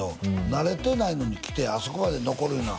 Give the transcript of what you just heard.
「慣れてないのに来てあそこまで残るいうのは」